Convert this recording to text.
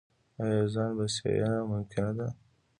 آیا ځان بسیاینه ممکن ده؟